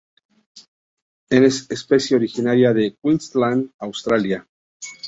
Es especie originaria de Queensland, Australia.